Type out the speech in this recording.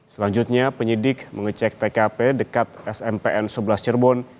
selanjutnya penyidik mengecek tkp dekat smpn sebelas cirebon